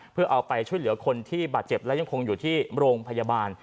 เพื่อเอาไปช่วยเหลือคนที่บาดเจ็บและยังคงอยู่ที่โรงพยาบาล